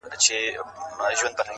بيا خپه يم مرور دي اموخته کړم.